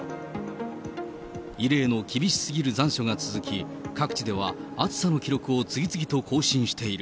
異例の厳しすぎる残暑が続き、各地では、暑さの記録を次々と更新している。